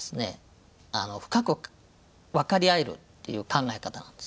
深く分かり合えるっていう考え方なんですね。